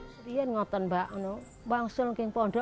saya menguasai para penduduk saya menguasai para penduduk